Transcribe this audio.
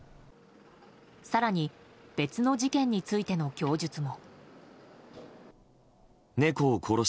更に、別の事件についての供述も。